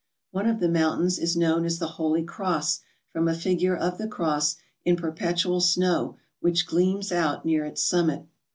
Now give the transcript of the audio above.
One of the mountains is known as the Holy Cross from a figure of the cross in perpetual snow which gleams out near its summit.